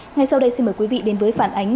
ngay sau đây xin mời quý vị đến với phản ánh